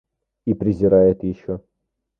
И презирает еще.